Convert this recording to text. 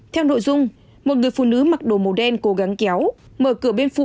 theo nội dung một người phụ nữ mặc đồ màu đen cố gắng kéo mở cửa bên phụ